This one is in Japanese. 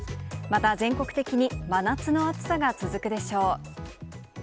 また全国的に真夏の暑さが続くでしょう。